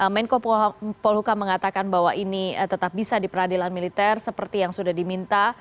menko polhukam mengatakan bahwa ini tetap bisa di peradilan militer seperti yang sudah diminta